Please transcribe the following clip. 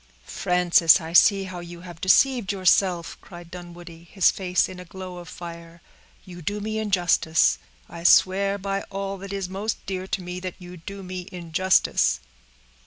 "Frances, I see how you have deceived yourself," cried Dunwoodie, his face in a glow of fire. "You do me injustice; I swear by all that is most dear to me, that you do me injustice."